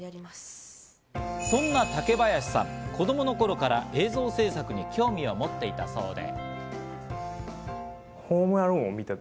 そんな竹林さん、子供の頃から映像制作に興味を持っていたそうで。